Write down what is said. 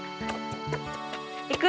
行く？